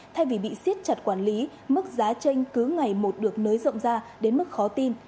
thay vì bị siết chặt quản lý mức giá tranh cứ ngày một được nới rộng ra đến mức khó tin